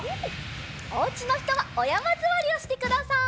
おうちのひとはおやまずわりをしてください。